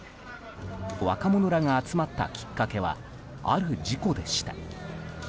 若者らが集まったきっかけはある事故でした。